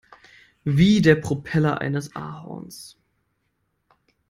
Wie der Propeller eines Ahorns.